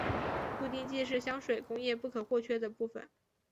固定剂是香水工业不可或缺的部份。